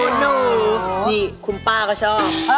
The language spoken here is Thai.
หนูนี่คุณป้าก็ชอบ